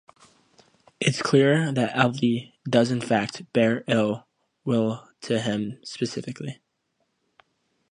It’s clear that Ellie does in fact bear ill will to him specifically.